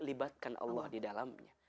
libatkan allah di dalamnya